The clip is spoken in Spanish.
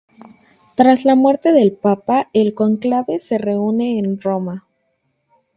Tras la muerte del Papa, el Cónclave se reúne en Roma.